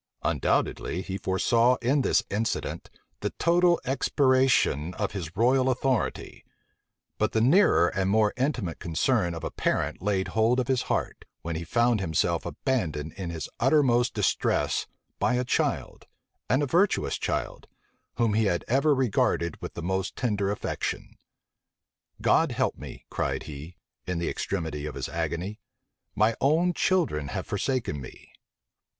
Undoubtedly he foresaw in this incident the total expiration of his royal authority: but the nearer and more intimate concern of a parent laid hold of his heart, when he found himself abandoned in his uttermost distress by a child, and a virtuous child, whom he had ever regarded with the most tender affection. "God help me," cried he, in the extremity of his agony; "my own children have forsaken me!"